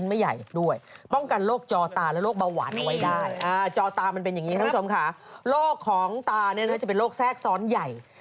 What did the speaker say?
น้ำมันกรับปลาช่วยได้น่าจะได้